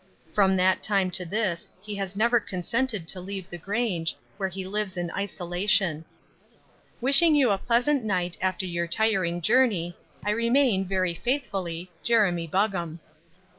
From that time to this he has never consented to leave the Grange, where he lives in isolation. "Wishing you a pleasant night after your tiring journey, "I remain, "Very faithfully, "Jeremy Buggam."